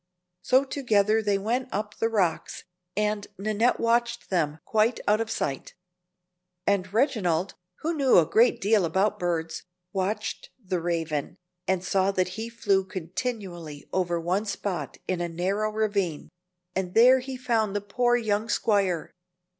So together they went up the rocks, and Nannette watched them quite out of sight. And Reginald, who knew a great deal about birds, watched the Raven, and saw that he flew continually over one spot in a narrow ravine; and there he found the poor young squire.